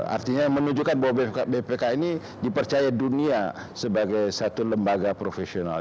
artinya menunjukkan bahwa bpk ini dipercaya dunia sebagai satu lembaga profesional